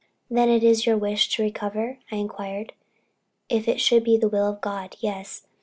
"Then it is your wish to recover?" I inquired. "If it should be the will of God, yes.